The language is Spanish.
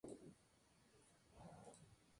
Esta antena estaba en la parte central de la botella.